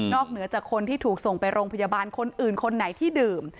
เหนือจากคนที่ถูกส่งไปโรงพยาบาลคนอื่นคนไหนที่ดื่ม